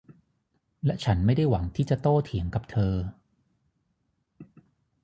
และฉันไม่ได้หวังที่จะโต้เถียงกับเธอ